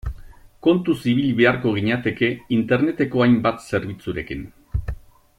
Kontuz ibili beharko ginateke Interneteko hainbat zerbitzurekin.